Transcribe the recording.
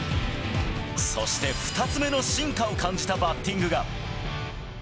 そして２つ目の進化を感じたバッティングが。